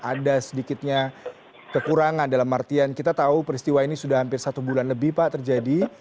ada sedikitnya kekurangan dalam artian kita tahu peristiwa ini sudah hampir satu bulan lebih pak terjadi